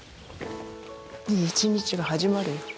いい一日が始まるよ。